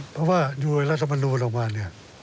เพราะว่าอยู่ในรัฐมนูลออกมาเนี่ย